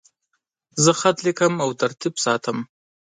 زه خط لیکم او ترتیب ساتم.